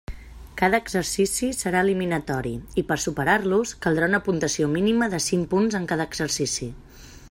Cada exercici serà eliminatori i per superar-los caldrà una puntuació mínima de cinc punts en cada exercici.